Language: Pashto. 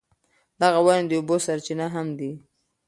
دغه ونې د اوبو سرچینه هم دي.